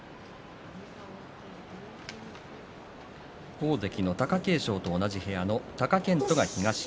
大関の貴景勝と同じ部屋の貴健斗が東。